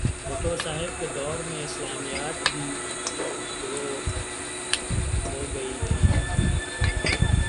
بھٹو صاحب کے دور میں اسلامیات بھی دو ہو گئی تھیں۔